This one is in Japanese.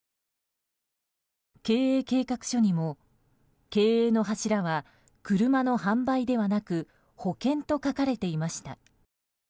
経営計画書にも、経営の柱は車の販売ではなく保険と書かれていました。